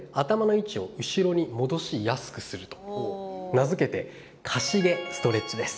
名付けてかしげストレッチです。